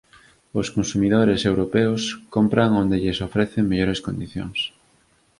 Os consumidores europeos compran onde se lles ofrecen mellores condicións.